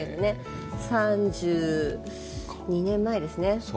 ３２年前ですね。